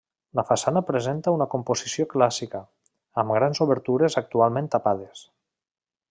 La façana presenta una composició clàssica, amb grans obertures actualment tapades.